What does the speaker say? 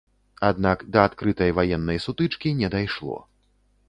Аднак да адкрытай ваеннай сутычкі не дайшло.